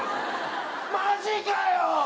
マジかよ！